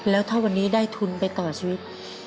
แล้วถ้าวันนี้ได้ทุนไปต่อชีวิต